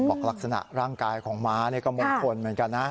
ออกลักษณะร่างกายของม้าก็มดคนเหมือนกันนะ